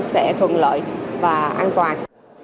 sẽ thuận lợi và an toàn